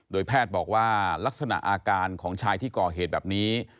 แพทย์บอกว่าลักษณะอาการของชายที่ก่อเหตุแบบนี้